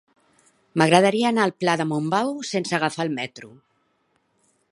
M'agradaria anar al pla de Montbau sense agafar el metro.